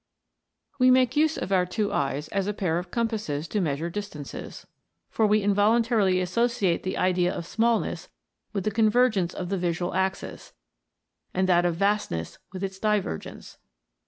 We make use of our two eyes as a pair of com passes to measure distances, for we involuntarily associate the idea of smallness with the convergence of the visual axis, and that of vastness with its divergence.